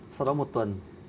sau đó một tuần